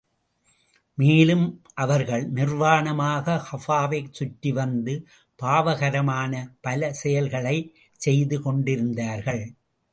மேலும், அவர்கள் நிர்வாணமாக கஃபாவைச் சுற்றி வந்து, பாவகரமான பல செயல்களைச் செய்து கொண்டிருந்தார்கள்.